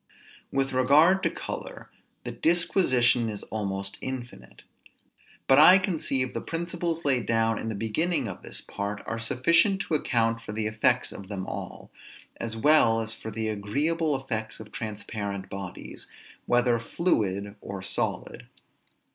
With regard to color, the disquisition is almost infinite; but I conceive the principles laid down in the beginning of this part are sufficient to account for the effects of them all, as well as for the agreeable effects of transparent bodies, whether fluid or solid.